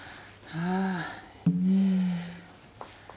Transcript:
ああ。